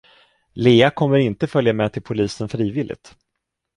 Leah kommer inte följa med till polisen frivilligt.